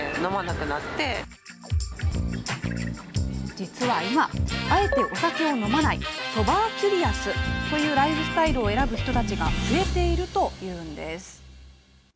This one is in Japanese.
実は今、あえてお酒を飲まないソバーキュリアスというライフスタイルを選ぶ人たちが増えているというんです。